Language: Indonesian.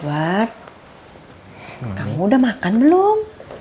buat kamu udah makan belum